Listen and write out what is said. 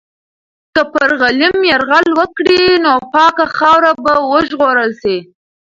که پر غلیم یرغل وکړي، نو پاکه خاوره به وژغورل سي.